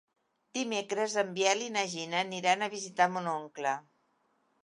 Dimecres en Biel i na Gina aniran a visitar mon oncle.